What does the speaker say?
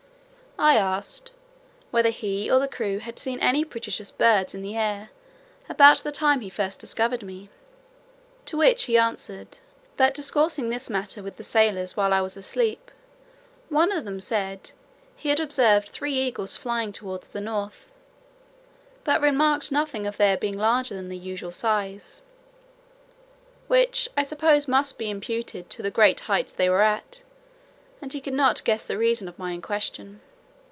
I asked, "whether he or the crew had seen any prodigious birds in the air, about the time he first discovered me." To which he answered, "that discoursing this matter with the sailors while I was asleep, one of them said, he had observed three eagles flying towards the north, but remarked nothing of their being larger than the usual size:" which I suppose must be imputed to the great height they were at; and he could not guess the reason of my question.